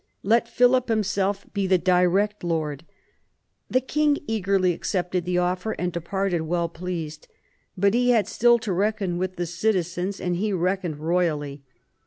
Let Philip himself be the direct lord. The king eagerly accepted the offer and departed well pleased. But he had still to reckon with the citizens, and he reckoned royally.